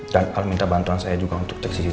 dan al minta bantuan saya juga untuk cek cctv